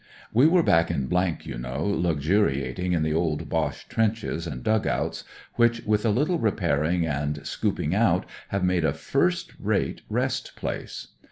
We were back in , you know, luxuriating in the old Boche trenches and dug outs, which, with a little repairing and scooping out, have made a first rate rest place.